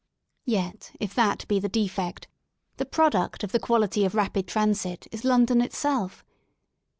Yet if that be the defect, the product of the quality of rapid transit is London itself.